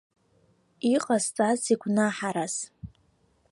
Иҟасҵазеи гәнаҳарас?